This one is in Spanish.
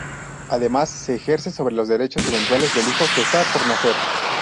Además se ejerce sobre los derechos eventuales del hijo que está por nacer.